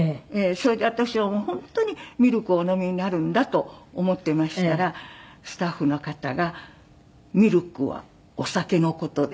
それで私は本当にミルクをお飲みになるんだと思っていましたらスタッフの方が「ミルクはお酒の事です」。